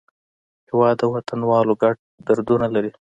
هېواد د وطنوالو ګډ دردونه لري.